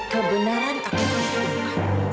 kebenaran aku pun sudah dikepah